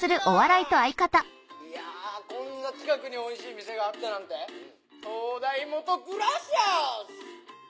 いやこんな近くにおいしい店があったなんて灯台下グラシアス！